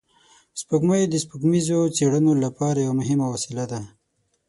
سپوږمۍ د سپوږمیزو څېړنو لپاره یوه مهمه وسیله ده